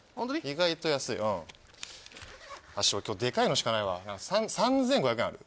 意外と安いうん今日でかいのしかないわ３５００円ある？